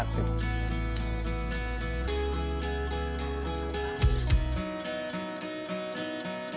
untuk membuatnya kita harus memiliki kekuatan yang baik